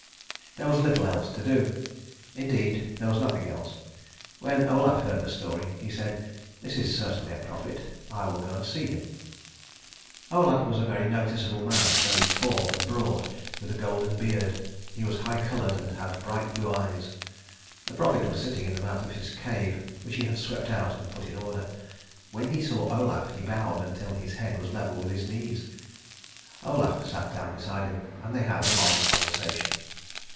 There was little else to do, indeed, there was nothing else. When Olaf heard the story, he said, "This is certainly a prophet. I will go to see him." Olaf was a very noticeable man, very tall and broad, with a golden beard; he was high coloured and had bright blue eyes. The prophet was sitting in the mouth of his cave, which he had swept out and put in order. When he saw Olaf he bowed until his head was level with his knees. Olaf sat down beside him, and they had a long conversation.